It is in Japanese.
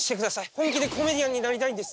本気でコメディアンになりたいんです」